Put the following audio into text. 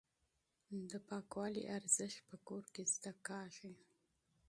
د پاکوالي اهمیت په کور کې زده کیږي.